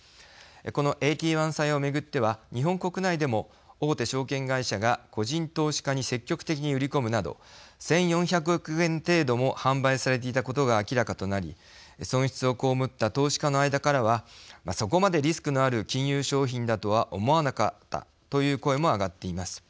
このＡＴ１債を巡っては日本国内でも大手証券会社が個人投資家に積極的に売り込むなど１４００億円程度も販売されていたことが明らかとなり損失を被った投資家の間からはそこまでリスクのある金融商品だとは思わなかったという声も上がっています。